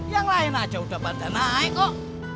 yang lain aja udah pada naik kok